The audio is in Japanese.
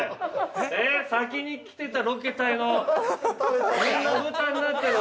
えっ！？先に来てたロケ隊みんな豚になってるわ。